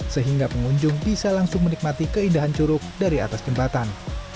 sehingga pengunjung bisa langsung menikmati keindahan curug dari atas jembatan